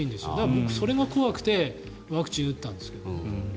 僕、それが怖くてワクチンを打ったんですが。